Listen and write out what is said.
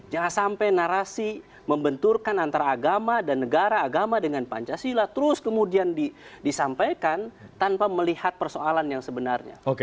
jangan sampai narasi membenturkan antara agama dan negara agama dengan pancasila terus kemudian disampaikan tanpa melihat persoalan yang sebenarnya